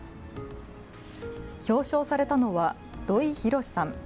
表彰されたのは土居浩さん。